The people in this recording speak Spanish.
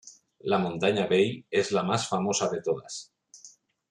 La montaña Bei, es la más famosa de todas.